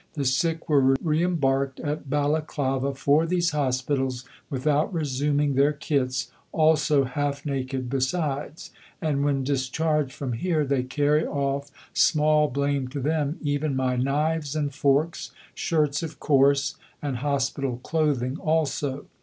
The sick were re embarked at Balaclava for these Hospitals, without resuming their kits, also half naked besides. And when discharged from here, they carry off, small blame to them, even my knives and forks shirts, of course, and Hospital clothing also.